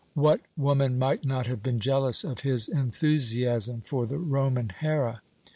What woman might not have been jealous of his enthusiasm for the Roman Hera?